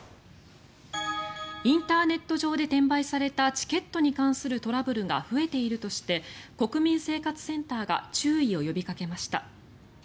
インターネット上で転売されたチケットに関するトラブルが増えているとして国民生活センターが注意を呼びかけました。